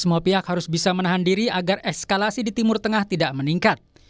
semua pihak harus bisa menahan diri agar eskalasi di timur tengah tidak meningkat